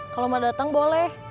kalau mau datang boleh